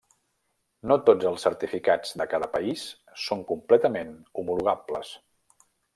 No tots els certificats de cada país són completament homologables.